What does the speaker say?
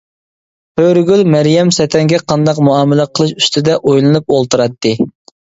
ھۆرىگۈل مەريەم سەتەڭگە قانداق مۇئامىلە قىلىش ئۈستىدە ئويلىنىپ ئولتۇراتتى.